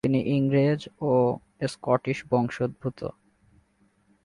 তিনি ইংরেজ ও স্কটিশ বংশোদ্ভূত।